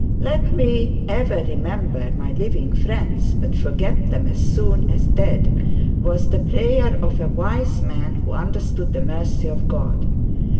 'Let me ever remember my living friends, but forget them as soon as they are dead,' was the prayer of a wise man who understood the mercy of God.